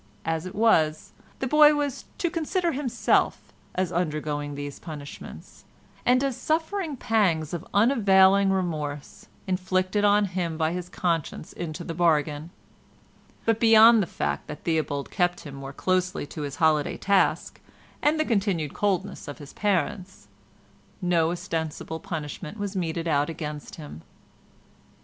As it was the boy was "to consider himself" as undergoing these punishments, and as suffering pangs of unavailing remorse inflicted on him by his conscience into the bargain; but beyond the fact that Theobald kept him more closely to his holiday task, and the continued coldness of his parents, no ostensible punishment was meted out to him.